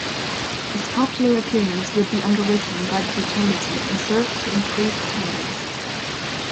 This popular appearance would be underwritten by the Fraternity and served to increase attendance.